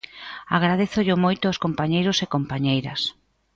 Agradézollo moito aos compañeiros e compañeiras.